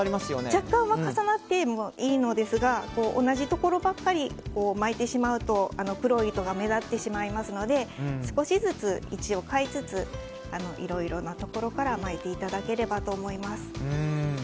若干は重なってもいいのですが同じところばかり巻いてしまうと黒い糸が目立ってしまいますので少しずつ、位置を変えつついろいろなところから巻いていただければと思います。